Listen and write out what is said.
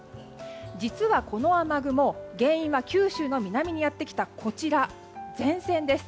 実は、この雨雲原因は九州の南にやってきたこちら、前線です。